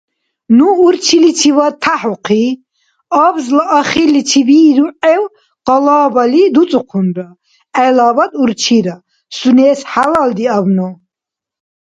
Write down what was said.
Ну урчиличивад тӀяхӀухъи, абзла ахирличивиругӀев къалабали дуцӀухъунра, гӀелабад — урчира, сунес хӀялалдиабну.